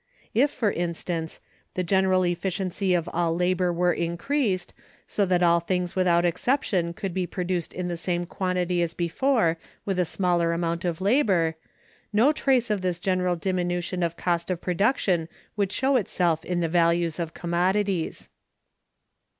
If, for instance, the general efficiency of all labor were increased, so that all things without exception could be produced in the same quantity as before with a smaller amount of labor, no trace of this general diminution of cost of production would show itself in the values of commodities.